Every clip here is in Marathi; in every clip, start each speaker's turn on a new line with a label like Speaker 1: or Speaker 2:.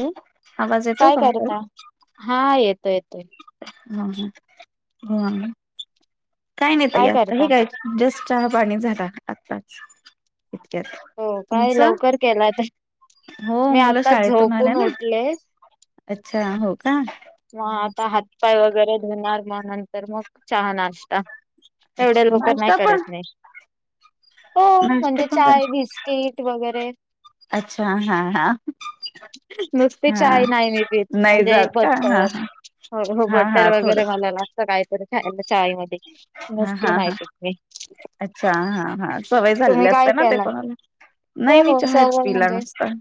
Speaker 1: हम् [unintelligible]
Speaker 2: काय काय करता हा येतोय येतोय.
Speaker 1: ह ह हा [unintelligible] काय नाही ताई आता हे काय जस्ट चहा पाणी झाला आताच.
Speaker 2: हो काय लवकर केला तर
Speaker 1: हो
Speaker 2: मी
Speaker 1: मुलं
Speaker 2: आताच
Speaker 1: शाळेतून आल्या
Speaker 2: झोपून
Speaker 1: ना
Speaker 2: उठले.
Speaker 1: अच्छा हो का.
Speaker 2: म आता हातपाय वगैरे धुणार मग नंतर मग चहा नाश्ता. तेवढ्या
Speaker 1: अच्छा
Speaker 2: लोकर नाही
Speaker 1: नाश्ता पण
Speaker 2: करत नाही. हो
Speaker 1: नाश्ता
Speaker 2: म्हणजे
Speaker 1: पण कर
Speaker 2: चाय बिस्किट वगैरे
Speaker 1: अच्छा हा हा
Speaker 2: नुसती
Speaker 1: हा
Speaker 2: चाही नाही मी बी
Speaker 1: नाही
Speaker 2: म्हणजे
Speaker 1: जात
Speaker 2: ब
Speaker 1: का हा
Speaker 2: हो हो
Speaker 1: हा
Speaker 2: बटर
Speaker 1: हा थोडं
Speaker 2: वगैरे मला लागतं काहीतरी खायला चाईमध्येध्ये
Speaker 1: हा हा हा
Speaker 2: नस्तीनतेते.
Speaker 1: अच्छा हा हा सवय झालेली असते ना ते
Speaker 2: केलाय?
Speaker 1: कोणाला
Speaker 2: हो
Speaker 1: नाही मी
Speaker 2: हो
Speaker 1: चहाच पिला नसता.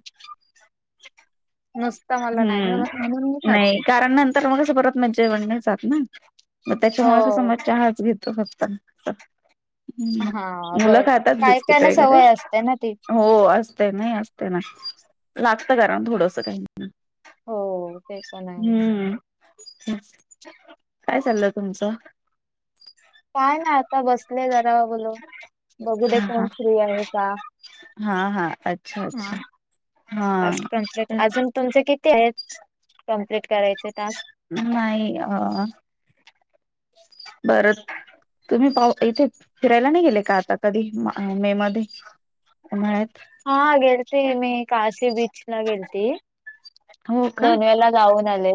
Speaker 2: मस्त मला नाही ना म म्हणून मी खात.
Speaker 1: नाही कारण नंतर मग कस परत मज्जा बन जात ना मग त्याच्यामुळे कस
Speaker 2: हो
Speaker 1: मग चहाच घेत.
Speaker 2: हां
Speaker 1: मुलं
Speaker 2: बर
Speaker 1: खातात
Speaker 2: काही
Speaker 1: बिस्किट
Speaker 2: काहीना
Speaker 1: वगैरे
Speaker 2: सवय असते ना ती.
Speaker 1: हो असते नाही असते ना लागत करा थोडस काही
Speaker 2: हो ते पण आहे.
Speaker 1: हम्म काय चाललं तुमचं.
Speaker 2: काय ना आता बसले जरा बोल बघू दे
Speaker 1: हा हा
Speaker 2: कोण फ्री आहे का?
Speaker 1: हा हा अच्छा अच्छा. हा
Speaker 2: फस् कम्प्ट
Speaker 1: तेच
Speaker 2: अजून तुमचे किती आहेत. कम्प्लीट करायचे टास्.
Speaker 1: नाही बरत तुम्ही पाऊ इथे फिरायला नाही गेले का आता कधी मे मध्येळत
Speaker 2: हा गेलती मी काशी बीच ला गेलती.
Speaker 1: हो का
Speaker 2: दोन वेळेला गाऊन आले.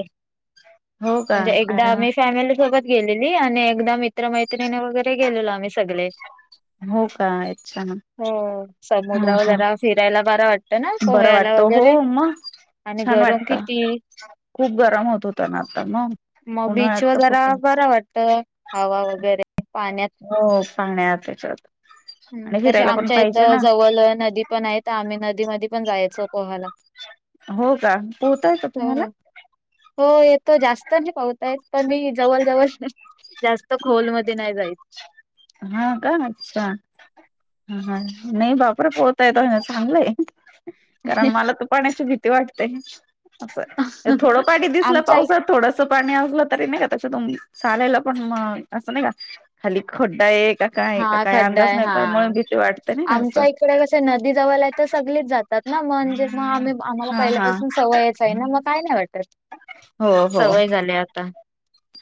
Speaker 1: हो का
Speaker 2: म्हणजे
Speaker 1: अरे
Speaker 2: एकदा
Speaker 1: वा
Speaker 2: मी फॅमिली सोबत गेलेली आणि एकदा मित्रमैत्रिणी वगैरे गेलेलो आम्ही सगळे.
Speaker 1: हो का अच्छा
Speaker 2: हो
Speaker 1: हा
Speaker 2: समुद्रावर
Speaker 1: हा
Speaker 2: जरा फिरायला बार वाटत. ना
Speaker 1: बरं
Speaker 2: पोह्याला
Speaker 1: वाटतं हो
Speaker 2: वगैरे
Speaker 1: मग
Speaker 2: आणि
Speaker 1: छान
Speaker 2: गरम किती
Speaker 1: वाटत खूप गरम होत हो त्यांना ना
Speaker 2: मग बीच
Speaker 1: उन्हाळ्यात
Speaker 2: व
Speaker 1: तर
Speaker 2: जरा
Speaker 1: खूप
Speaker 2: बरं वाटतं हवा वगैरे पाण्यात
Speaker 1: हो सांगण्या आ त्याच्या
Speaker 2: हम्म तसे आमच्या इथं जवळ नदी पण आहे आम्ही नदीमध्ये पण जायचो पोहायला.
Speaker 1: हो का पोहताय का
Speaker 2: हो
Speaker 1: तुम्हाला
Speaker 2: हो येतो जास्त पाहताय. पण मी जवळ जवळ जास्त खोलमध्येध्ये नाही जायच.
Speaker 1: हा काणतीस ह नाही बापरे पोहताय तो चांगलंय कारण मला तर पाण्याची भी वाटते असं थोडं पाणी दिसलं
Speaker 2: आमच्या इ-
Speaker 1: पावसात थोडस पाणी असलं. त नाही का त त चालायला पण मग असं नाही का खाली खड्डा एक.
Speaker 2: हा खड्डा आहे हा
Speaker 1: वाटते नाही का असं
Speaker 2: आमच्या इकडे कस नदी जवळ आहे तर सगळीच जातात. म्हणजे म आम्ही आम्हाला
Speaker 1: हा हा
Speaker 2: पहिल्यापासून सवयचं आहे ना म काय नाही वाटत.
Speaker 1: हो हो
Speaker 2: सवय झाल्या आता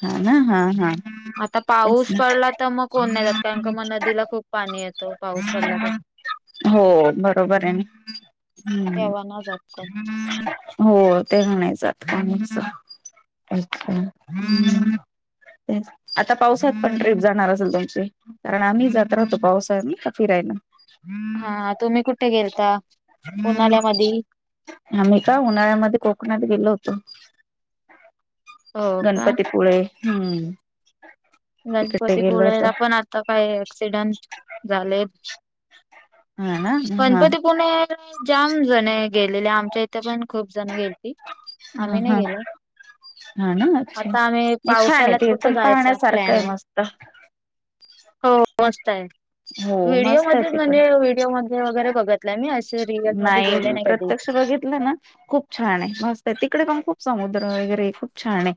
Speaker 1: हा ना हा हा
Speaker 2: आता
Speaker 1: तेच
Speaker 2: पाऊस
Speaker 1: ना
Speaker 2: पडला तर मग कोण नाही जात. कारण का म नदीला खूप पाणी येतं पाऊस पडला तर
Speaker 1: हो बरोबर आहे ना हम्.
Speaker 2: तेव्हा नाही जात कोण.
Speaker 1: हो ते म्हणायच आता [inaudible] आता पावसात पण ट्रिप जाणार असेल तुमची कारण आम्हीही जात राहतो पावसाळ्यात फिरायला
Speaker 2: हा तुम्ही कुठे गेलता उन्हाल्यामधी
Speaker 1: आम्ही का उन्हाळ्यामध्ये कोकणात गेलो होतो.
Speaker 2: हो का
Speaker 1: गणपतीपुळे हम्.
Speaker 2: गणपतीपुळेला पण आता काही ऍक्सिडेंट झालेत.
Speaker 1: हा ना हा
Speaker 2: गणपतीपुणे जाम जणे गेलेले आमच्या इथे पण खूप जण गेलेती.
Speaker 1: ह
Speaker 2: आम्ही नाही
Speaker 1: हा
Speaker 2: गेलो
Speaker 1: हा ना अच्छा
Speaker 2: आता आम्ही पावसालात कुठं जायचं.
Speaker 1: काय मस्त.
Speaker 2: हो मस्तय
Speaker 1: हो मस्त आहे
Speaker 2: व्हिडिओमध्ये
Speaker 1: तिकड
Speaker 2: म्हणजे व्हिडिओमध्ये वगैरे बघतलय मी अस.
Speaker 1: नाही प्रत्यक्ष बघितलं ना खूप छान आहे मस्त तिकडे पण खूप समुद्र वगैरे खूप छान आहे.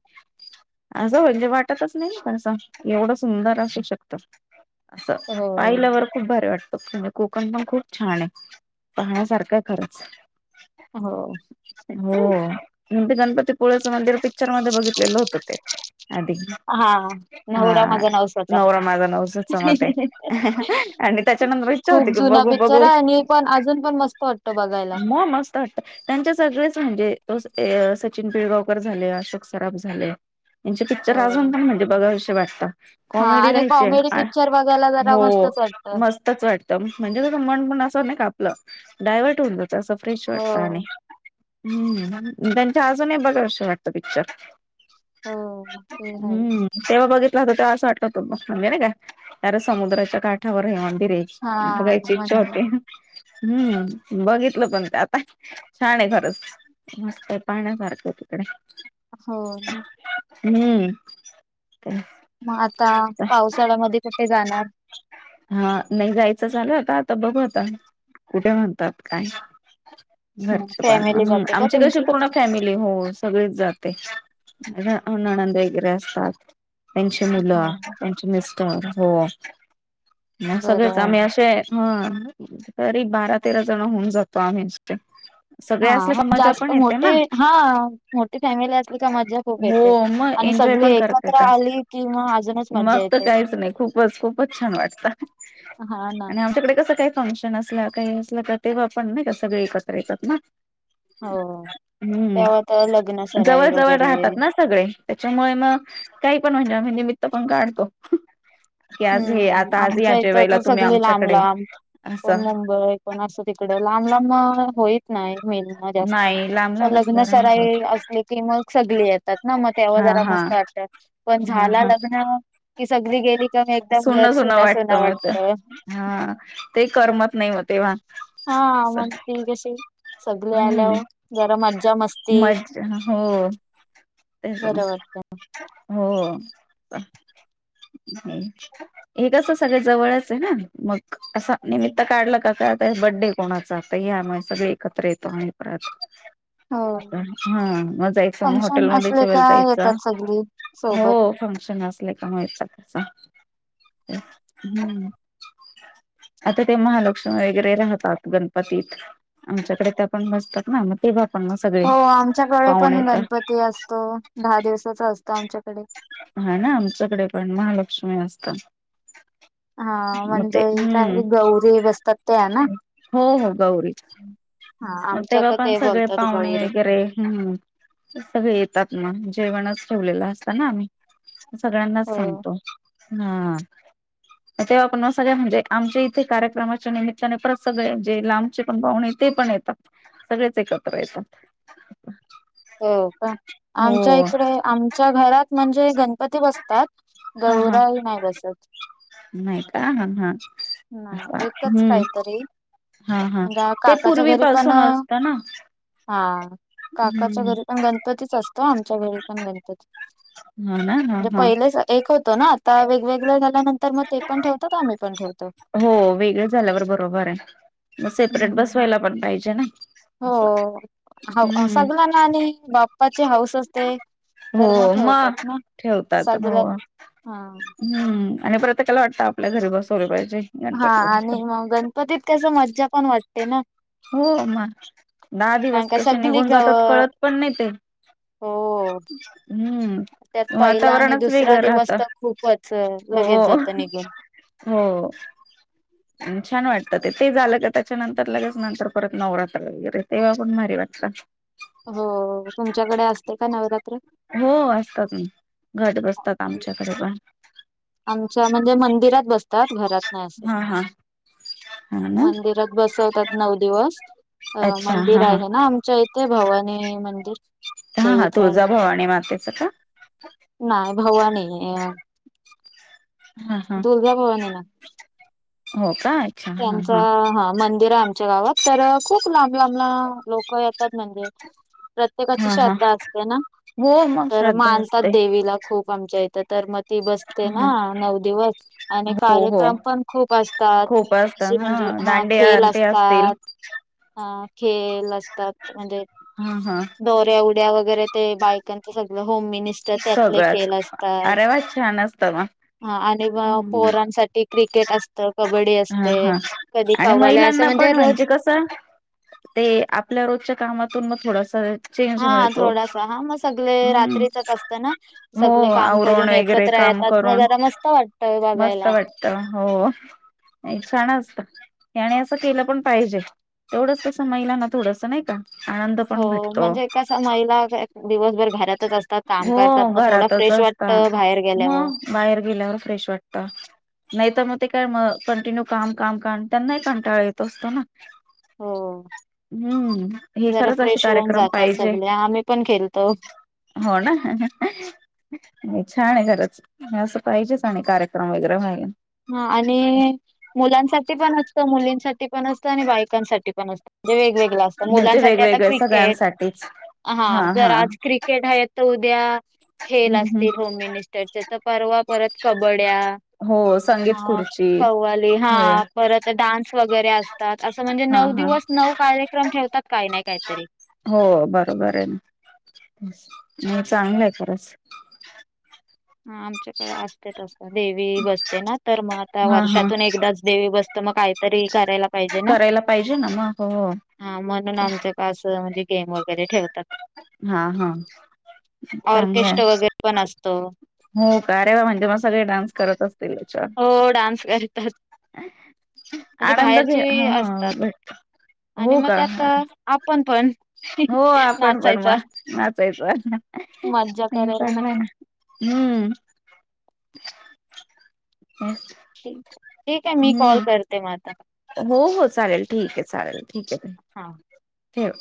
Speaker 1: असं म्हणजे वाटतच नाही कसं एवढं सुंदर असू शकत असं
Speaker 2: हो.
Speaker 1: पाहिल्यावर खूप भारी वाटतं म्हणजे कोकण पण खूप छान आहे. पाहण्यासारखं खरंच
Speaker 2: हो.
Speaker 1: हो हो ते गणपती पुळचं मंदिर पिक्चर मध्ये बघितलेलं होतं ते आधी
Speaker 2: हा
Speaker 1: हा
Speaker 2: नवरा माझा नवसाचा.
Speaker 1: नवरा माझा नवसाचा मध्ये आणि त्याच्यान इच्छा होती
Speaker 2: खूप
Speaker 1: की
Speaker 2: जुना
Speaker 1: बघू
Speaker 2: पिक्चर
Speaker 1: बघू
Speaker 2: आहे आणि पण अजून पण मस्त वाटतं बघायला.
Speaker 1: म मस्त वाटतं त्यांच्या सगळेच म्हणजे त ते अ सचिन पिळगांवकर झाले, अशोक सराफ झाले, त्यांचे पिक्चर
Speaker 2: हो
Speaker 1: अजूनपण म्हणजे बघावेसे वाटतात
Speaker 2: हा
Speaker 1: कॉमेडी
Speaker 2: आणि
Speaker 1: राहायचे
Speaker 2: कॉमेडी पिक्चर बघायला जरा
Speaker 1: हो
Speaker 2: मस्तच वाटतं.
Speaker 1: मस्तच वाटत म्हणजे त मन पण असं नाय का डायवर्ट होऊन जातं अस फ्रेश
Speaker 2: हो
Speaker 1: वाटतं आणि हम्म त्यांचे अजूनही बघावेशे वाटत पिक्चर
Speaker 2: हो ते हो हो
Speaker 1: हम्म तेव्हा बघितला तेव्हा असं वाटत म्हणजे नाही का समुद्राच्या काठावर हे
Speaker 2: हा
Speaker 1: म्ह बघायची
Speaker 2: म्हण
Speaker 1: इच्छा होती. हम्म बघितलं पण ते आता छान आहे खरंच मस्त आहे पाहण्यासारखं [inaudible]
Speaker 2: हो म.
Speaker 1: हम्म.
Speaker 2: मग आता पावसाळ्यामध्ये कुठे जाणार?
Speaker 1: हा नाही जायचं चालूय आता बघूया आता कुठे म्हणतात काय. घरचे पण
Speaker 2: फॅमिली
Speaker 1: हम्म
Speaker 2: जाते का
Speaker 1: आमची कशी
Speaker 2: तुमची?
Speaker 1: पूर्ण फॅमिली हो सगळीच जात. ते नणंद वैगेरे असतात. त्यांची
Speaker 2: हा
Speaker 1: मुलं त्यांचे मिस्टर हो ह सगळेच
Speaker 2: बरं आहे.
Speaker 1: आम्ही अशे ह तरी बारा तेरा जण होऊन जातो आम्ही इतक्यात.
Speaker 2: हा मग जास्त मोठी हा मोठी फॅमिली असली का मजा खूप येते.
Speaker 1: हो मग
Speaker 2: आणि
Speaker 1: एन्जॉय
Speaker 2: सगळी
Speaker 1: पण करता
Speaker 2: एकत्र
Speaker 1: येतो
Speaker 2: आली कि मग अजूनच
Speaker 1: मग
Speaker 2: मज्जा
Speaker 1: तर
Speaker 2: येते.
Speaker 1: काहीच नाही खूपच खूपच छान वाटतं.
Speaker 2: हा ना
Speaker 1: आणि आमच्याकडे कसं काय फंक्शन असल्या काही असल्या तर तेव्हा पण नाही का सगळे एकत्र येतात ना.
Speaker 2: हो
Speaker 1: हम्म
Speaker 2: तेव्हा तर अलग.
Speaker 1: जवळ जवळ राहतात ना सगळे त्याच्यामुळे मग काही पण म्हणजे म्हणजे मी पण काढतो की आज हे
Speaker 2: हम्म
Speaker 1: आता आज या
Speaker 2: आमच्या इथं
Speaker 1: जेवायला
Speaker 2: तर
Speaker 1: तुम्ही
Speaker 2: सगळी लांब
Speaker 1: आमच्याकडे.
Speaker 2: लांब कोण
Speaker 1: असं
Speaker 2: मुंबई कोण असं तिकड लांब लांब म होईत नाही. होईना जास्त
Speaker 1: नाही लांब
Speaker 2: तर
Speaker 1: लांबच
Speaker 2: लग्न
Speaker 1: घर नाही होत.
Speaker 2: सराई असले की मग सगले येतात ना मग तेव्हा
Speaker 1: हा
Speaker 2: जरा
Speaker 1: हा
Speaker 2: मस्त करत्यात पण झाला लग्न कि सग
Speaker 1: सुन सुन वाटत मग घर ते करमत नाही मग. तेव्हा
Speaker 2: हा मग ते कशी सगळे आल्यावर
Speaker 1: हम्म
Speaker 2: जरा मज्जा मस्ती
Speaker 1: मज्जा हो तेच ना
Speaker 2: बरवाटत त्या
Speaker 1: हो अ. हम्म हे कस सगळ जवळच आहे ना मग असं निमित्त काढला का ता आता बड्डे कोणाचा यामुळे सगळे एकत्र येतो आणि
Speaker 2: हो
Speaker 1: हा माझा एक समुह
Speaker 2: फंक्शन
Speaker 1: हॉटेलमध्ये
Speaker 2: असले का
Speaker 1: जायचा
Speaker 2: येतात सगळी सोबत
Speaker 1: हो फंक्शन असले का मग येतात. हुं. आता ते महालक्ष्मी वगैरे राहतात गणपतीत आमच्याकडे त्या पण बसतात ना मग ते बघ
Speaker 2: हो आमच्याकडे पण गणपती असतो दहा दिवसाचा असतो आमच्याकडे.
Speaker 1: हा ना आमच्याकडे पण महालक्ष्मी असत
Speaker 2: हा म्हणजे काय गौरी बसतात त्या ना
Speaker 1: [unintelligible] हो हो गौरी
Speaker 2: हा
Speaker 1: मग तेव्हा
Speaker 2: आमच्याकडे
Speaker 1: पण
Speaker 2: ते
Speaker 1: सगळे
Speaker 2: बोलतात
Speaker 1: पाहुणे
Speaker 2: गौरी
Speaker 1: वगैरे हम्म हे सगळे येतात मग जेवणाच ठेवलेला असताना आम्ही सगळ्यांनाच
Speaker 2: हो
Speaker 1: सांगतो हा तेव्हा आपण सगळ्या म्हणजे आमच्या इथे कार्यक्रमाच्या निमित्ताने परत सगळे जे लांबचे पण पाहुणे [unintelligible] येतात सगळेच एकत्र येतात
Speaker 2: हो का आमच्या
Speaker 1: हो
Speaker 2: इकडे आमच्या घरात म्हणजे गणपती बसतात
Speaker 1: हा हा
Speaker 2: गौराई नाय बसत
Speaker 1: नाही का हा हा
Speaker 2: नाही एकच
Speaker 1: हम्म
Speaker 2: काहीतरी
Speaker 1: हा हा
Speaker 2: म्हणजे
Speaker 1: ते
Speaker 2: काकाच्या घरी पण
Speaker 1: पूर्वीपसून असतं ना
Speaker 2: हा काकाच्या
Speaker 1: हम्म
Speaker 2: घरी पण गणपतीच असतो आमच्या घरी पण गणपती.
Speaker 1: हा ना हा
Speaker 2: म्हणजे
Speaker 1: हा
Speaker 2: पहिलेच एक होत ना आता वेगवेगळ तर ते पण ठेवतात आम्ही पण ठेवतो
Speaker 1: हो वेगळ झाल्यावर बरोबर आहे मग सेपरेट
Speaker 2: हम्म
Speaker 1: बसवायला पण पाहिजे ना.
Speaker 2: हो
Speaker 1: असं
Speaker 2: [unintelligible]
Speaker 1: हम्म
Speaker 2: सगल्याना आणि बाप्पाचे हाऊस पण असते
Speaker 1: हो
Speaker 2: तर ठेवतात
Speaker 1: मग
Speaker 2: ना
Speaker 1: ठेवतात हो
Speaker 2: सगळ्यात हा
Speaker 1: हम्म आणि प्रत्येकाला वाटतं आपल्या घरी बसवले पाहिजे.
Speaker 2: हा
Speaker 1: गणपती बाप्पा
Speaker 2: आणि मग गणपतीत कस मज्जा पण वाटते ना.
Speaker 1: हो मग दहा दिवस
Speaker 2: कारण का
Speaker 1: कसे
Speaker 2: सगळी
Speaker 1: निघून
Speaker 2: ग
Speaker 1: जातात कळत पण नाही ते.
Speaker 2: हो त्यात
Speaker 1: हम्म
Speaker 2: पहिला आणि
Speaker 1: वातावरणच
Speaker 2: दुसरा
Speaker 1: वेगळं राहत.
Speaker 2: दिवस तर खूपच अ,
Speaker 1: हो
Speaker 2: लगेच जातं निघून
Speaker 1: हो छान वाटत ते ते झालं कि त्याच्या नंतर लगेच नंतर परत नवरात्रला वगैरे तेव्हा पण भारी वाटत.
Speaker 2: हो तुमच्याकडे असते का नवरात्र
Speaker 1: हो असतात ना घट बसतात आमच्याकडे पण.
Speaker 2: आमच्या म्हणजे मंदिरात बसतात घरात नाही असं.
Speaker 1: हा हा हा ना
Speaker 2: मंदिरात बसवतात नऊ दिवस अ
Speaker 1: अच्छा
Speaker 2: मंदिर
Speaker 1: हा हा
Speaker 2: आहे ना आमच्या इथे भवानी मंदिर
Speaker 1: हा हा तुळझा भवानी मातेच
Speaker 2: नाय भवानी [unintelligible]
Speaker 1: हा हा
Speaker 2: दुर्गा भवानी ना
Speaker 1: हो का अच्छा हा
Speaker 2: त्यांचा हा मंदिर [unintelligible] आमच्या गावात तर खूप लांब लांबला लोक येतात म्हणजे प्रत्येकाची
Speaker 1: हा हा
Speaker 2: श्रद्धा असते ना,
Speaker 1: हो मग
Speaker 2: तर
Speaker 1: श्रद्धा
Speaker 2: मानतात
Speaker 1: असते
Speaker 2: देवीला खूप आमच्या इथं. तर मग ती ब असते ना
Speaker 1: हा
Speaker 2: नऊ दिवसं आणि
Speaker 1: हो हो
Speaker 2: कार्यक्रम पण खूप असतात,
Speaker 1: खूप
Speaker 2: अशी
Speaker 1: असतात
Speaker 2: म्हंजे हा हा
Speaker 1: दांडिया
Speaker 2: खेल
Speaker 1: ते असतील
Speaker 2: असतात. हा खेल असतात, म्हणजे
Speaker 1: हा हा
Speaker 2: दौऱ्या ऊ ड्या वगैरे ते बायकांचं सगळ
Speaker 1: सगळंच, अरे वा छान असतं मग.
Speaker 2: हा आणि मग
Speaker 1: हम्म
Speaker 2: पोरांसाठी क्रिकेट असत, कबड्डी असते, कधी कव्वाल्या असं म्हण
Speaker 1: आपण म्हणजे कस ते आपल्या रोजच्या कामातून मग थोडस चांगलं
Speaker 2: हा
Speaker 1: मिळतो,
Speaker 2: थोडासा हा मग सगळे
Speaker 1: हुम्म.
Speaker 2: रात्रीचच असतं ना.
Speaker 1: हो
Speaker 2: सगळे काम करून
Speaker 1: आवरुनं वगैरे
Speaker 2: एकत्र
Speaker 1: काम
Speaker 2: येतात मग
Speaker 1: करून
Speaker 2: जरा मस्त वाटतय
Speaker 1: मस्त
Speaker 2: बघायला.
Speaker 1: वाटत हो. हो एक सणच याने असं केलं पण पाहिजे, एवढंच कस महिलांना थोडस नाही का? आनंद
Speaker 2: हो
Speaker 1: पण भेटतो
Speaker 2: म्हणजे कस, महिला दिवसभर घरात
Speaker 1: हो घरातच असता,
Speaker 2: बाहेर गेल्यावर
Speaker 1: मग बाहेर गेल्यावर फ्रेश वाटत. नाही तर मग ते काय मग कंटिन्यू काम, काम, काम, त्यांनाही कंटाळा येत असतो ना?
Speaker 2: हो.
Speaker 1: हम्म हे
Speaker 2: जरा
Speaker 1: खरंच असे
Speaker 2: फ्रेश होऊन
Speaker 1: कार्यक्रम
Speaker 2: जातात
Speaker 1: पाहिजे
Speaker 2: सगले, आम्ही पण खेलतो.
Speaker 1: हो ना? छान आहे घराचं, असं पाहिजेच आणि कार्यक्रम वगैरे व्हायला.
Speaker 2: हा आणि मुलांसाठी पण असत, मुलींसाठी पण असत, आणि बाईकांसाठी पण असत. म्हणजे वेगवेगळ असतं,
Speaker 1: म्हणजे
Speaker 2: मुलांसाठी आता
Speaker 1: वेगवेगळे
Speaker 2: क्रिकेट
Speaker 1: सगळ्यांसाठीच
Speaker 2: हा जर आज क्रिकेट आहे, तर उद्या खेल
Speaker 1: हम्म हम्म
Speaker 2: असतील होम मिनिस्टरचे, तर परवा परत
Speaker 1: हो सं
Speaker 2: हा कव्वाली हा, परत डान्स वगैरे असतात, असं म्हणजे
Speaker 1: हा
Speaker 2: नऊ
Speaker 1: हा
Speaker 2: दिवस नऊ कार्यक्रम ठेवतात काई ना काई.
Speaker 1: हो बरोबर आहे ना, म चांगलं आहे खरच.
Speaker 2: हा आमच्याकडे असतेतं असं, देवी बसते ना तर मग आता
Speaker 1: हा हा
Speaker 2: वर्षातून एकदाच देवी बसतं म काहीतरी करायला पाहिजे ना.
Speaker 1: करायला पाहिजे ना! मग हो
Speaker 2: हा म्हणून आमचं का असं म्हणजे गेम वगैरे ठेवतात
Speaker 1: हा हा, चांगलं आहे.
Speaker 2: ऑर्केस्ट्रा वगैरे पण असतो
Speaker 1: हो का अरेवा म्हणजे मग सगळे डान्स करत असतील याच्यावर
Speaker 2: हो डान्स करतात म्हणजे
Speaker 1: आनंद घे,
Speaker 2: बाहेरची असतात
Speaker 1: हा
Speaker 2: आणि
Speaker 1: हो
Speaker 2: मग
Speaker 1: का
Speaker 2: त्यात आपण पण.
Speaker 1: हो आपण पण म
Speaker 2: नाचायचा
Speaker 1: नाचयचं चांगल
Speaker 2: मज्जा करायला
Speaker 1: हाई ना.
Speaker 2: नक्की
Speaker 1: हम्म.
Speaker 2: ठीक आहे मी कॉल
Speaker 1: हम्म
Speaker 2: करते म आता.
Speaker 1: हो हो, चालेल ठीक आहे, चालेल ठीक आहे,
Speaker 2: हा
Speaker 1: ठेव.